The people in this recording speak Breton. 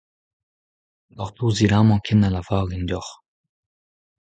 Gortozit amañ ken na lavarin deoc'h.